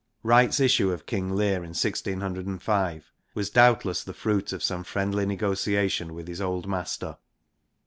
Wright's issue of King Leir in 1605 was doubtless the fruit of some friendly negotiation with his old master.